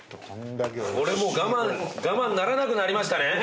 これもう我慢ならなくなりましたね。